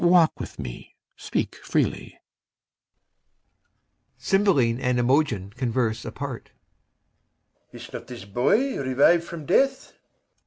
Walk with me; speak freely. [CYMBELINE and IMOGEN converse apart] BELARIUS. Is not this boy reviv'd from death?